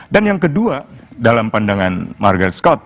dan yang kedua dalam pandangan margaret scott